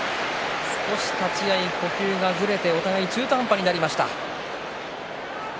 立ち合い呼吸がずれてお互い中途半端になりました。